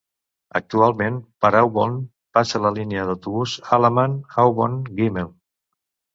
Actualment, per Aubonne passa la línia d'autobús Allaman - Aubonne - Gimel.